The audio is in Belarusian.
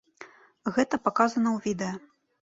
Гэта паказана ў відэа.